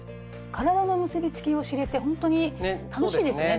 体の結び付きを知れてほんとに楽しいですね